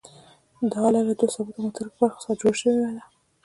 دا آله له دوو ثابتو او متحرکو برخو څخه جوړه شوې ده.